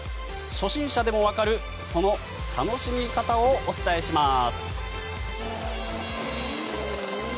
初心者でもわかるその楽しみ方をお伝えします。